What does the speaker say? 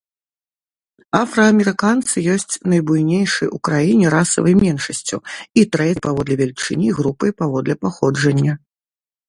Афраамерыканцы ёсць найбуйнейшай у краіне расавай меншасцю і трэцяй паводле велічыні групай паводле паходжання.